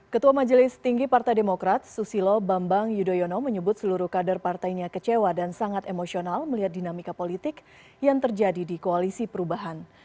ketua majelis tinggi partai demokrat susilo bambang yudhoyono menyebut seluruh kader partainya kecewa dan sangat emosional melihat dinamika politik yang terjadi di koalisi perubahan